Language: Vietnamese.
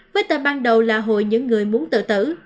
với tên ban đầu là hồi những người muốn tự tử